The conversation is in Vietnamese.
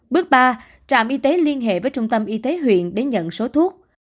bước ba trạm y tế liên hệ với trung tâm y tế huyện để nhận số thuốc